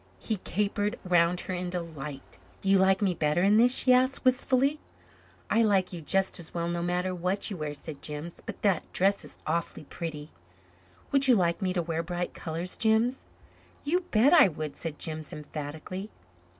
He capered round her in delight. "You like me better in this?" she asked, wistfully. "I like you just as well, no matter what you wear," said Jims, "but that dress is awfully pretty." "Would you like me to wear bright colors, Jims?" "You bet I would," said Jims emphatically.